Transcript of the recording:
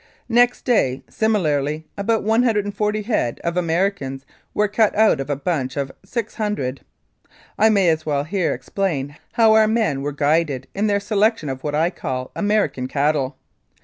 Next day, simi larly, about 140 head of Americans were cut out of a bunch of 600. I may as well here explain how our men were guided in their selection of what I call American cattle.